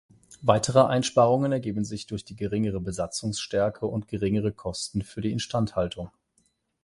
Weitere Einsparungen ergeben sich durch die geringere Besatzungsstärke und geringere Kosten für die Instandhaltung.